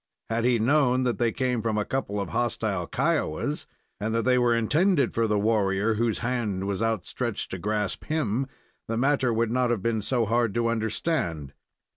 Had he known that they came from a couple of hostile Kiowas, and that they were intended for the warrior whose hand was outstretched to grasp him, the matter would not have been so hard to understand.